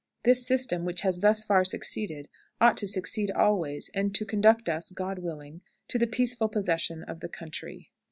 "This system, which has thus far succeeded, ought to succeed always, and to conduct us, God willing, to the peaceful possession of the country."